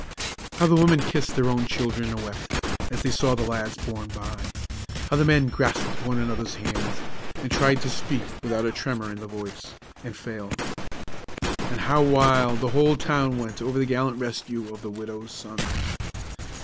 How the women kissed their own children and wept, as they saw the lads borne by! How the men grasped one another's hands, and tried to speak without a tremor in the voice and failed. And how wild the whole town went over the gallant rescue of the widow's sons!